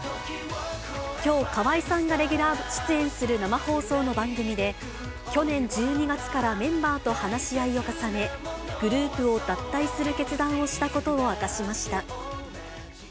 きょう、河合さんがレギュラー出演する生放送の番組で、去年１２月からメンバーと話し合いを重ね、グループを脱退する決断をしたことを明かしました。